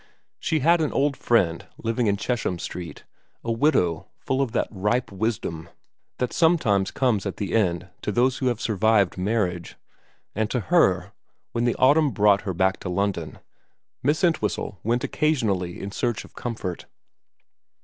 She had an old friend living in Chesham Street, a widow full of that ripe wisdom that sometimes comes at the end to those who have survived marriage ; and to her, when the autumn brought her back to London, Miss Entwhistle went occasionally in search of comfort.